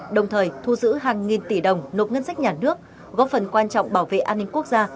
đồng thời thu giữ hàng nghìn tỷ đồng nộp ngân sách nhà nước góp phần quan trọng bảo vệ an ninh quốc gia